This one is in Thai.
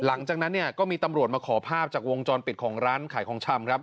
หลังจากนั้นเนี่ยก็มีตำรวจมาขอภาพจากวงจรปิดของร้านขายของชำครับ